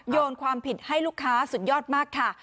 โยนความผิดให้ลูกค้าสุดยอดมากค่ะ